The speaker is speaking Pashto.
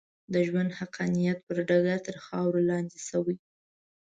د ژوند حقانیت پر ډګر تر خاورو لاندې شوې.